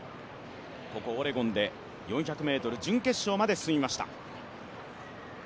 ここオレゴンで４００ｍ準決勝まで進みました。